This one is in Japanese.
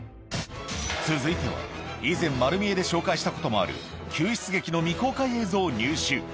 続いては、以前、まる見えで紹介したこともある、救出劇の未公開映像を入手。